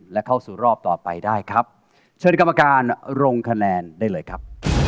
และเข้าสู่รอบต่อไปได้ครับเชิญกรรมการลงคะแนนได้เลยครับ